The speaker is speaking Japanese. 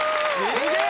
すげえ。